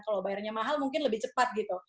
kalau bayarnya mahal mungkin lebih cepat gitu